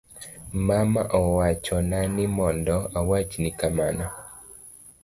Mama owachona ni mondo awachni kamano